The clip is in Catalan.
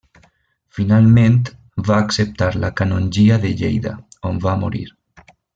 Finalment va acceptar la canongia de Lleida on va morir.